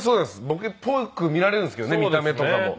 ボケっぽく見られるんですけどね見た目とかも。